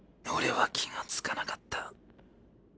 俺は気が付かなかった。